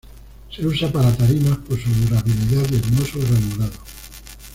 Se usa para tarimas por su durabilidad y hermoso granulado.